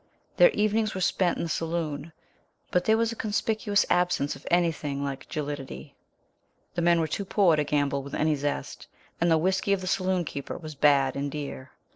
Their evenings were spent in the saloon, but there was a conspicuous absence of anything like jollity. The men were too poor to gamble with any zest, and the whiskey of the saloon keeper was bad and dear.